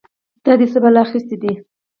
دا دې څه بلا اخيستې ده؟!